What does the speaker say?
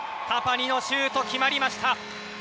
タパニのシュート、決まりました。